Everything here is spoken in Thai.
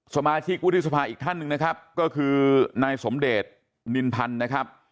สมาชิกวุฒิสภาอีกท่านหนึ่งนะครับก็คือนายสมเดชนินพันธ์นะครับ